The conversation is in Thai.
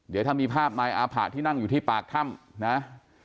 เดี๋ยวถ้ามีภาพนายอาผะที่นั่งอยู่ที่ปากถ้ำนะ